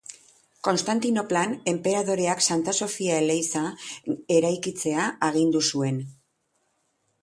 Konstantinoplan, enperadoreak Santa Sofia eliza eraikitzea agindu zuen.